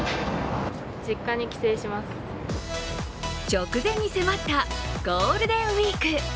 直前に迫ったゴールデンウイーク。